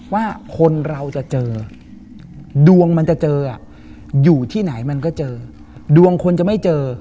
ว่าคนเราจะเจอดวงมันจะเจออยู่ที่ไหนมันก็เจอดวงคนจะไม่เจอ